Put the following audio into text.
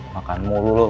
makan mulu loh